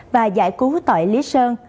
và giải cứu tội lý sơn